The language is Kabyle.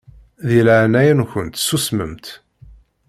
Di leɛnaya-nkent susmemt.